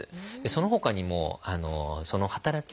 そのほかにもその働きをですね